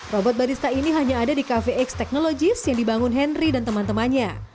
robot barista ini hanya ada di cafe x technologies yang dibangun henry dan teman temannya